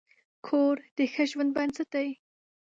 کور د ښه ژوند بنسټ دی.